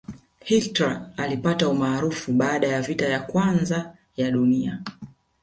hitler alipata umaarufu baada ya vita vya kwanza ya dunia